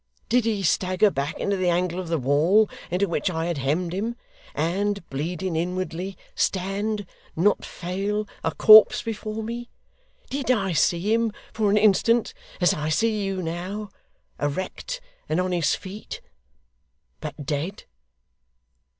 Did he stagger back into the angle of the wall into which I had hemmed him, and, bleeding inwardly, stand, not fall, a corpse before me? Did I see him, for an instant, as I see you now, erect and on his feet but dead!